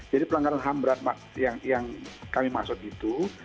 jadi pelanggaran ham berat yang kami maksud itu